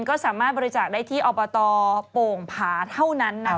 ก็สามารถบริจาคได้ที่อบตโป่งผาเท่านั้นนะคะ